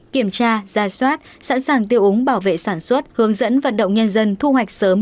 kiểm tra ra soát sẵn sàng tiêu úng bảo vệ sản xuất hướng dẫn vận động nhân dân thu hoạch sớm